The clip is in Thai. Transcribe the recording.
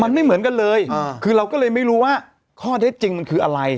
มันไม่เหมือนกันเลยคือเราก็เลยไม่รู้ว่าข้อเท็จจริงมันคืออะไร